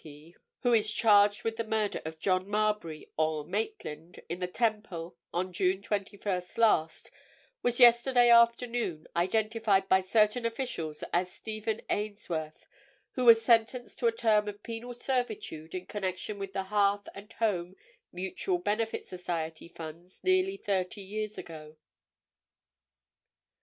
P., who is charged with the murder of John Marbury, or Maitland, in the Temple on June 21st last, was yesterday afternoon identified by certain officials as Stephen Ainsworth, who was sentenced to a term of penal servitude in connection with the Hearth and Home Mutual Benefit Society funds nearly thirty years ago."